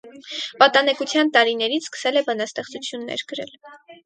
Պատանեկության տարիներից սկսել է բանաստեղծություններ գրել։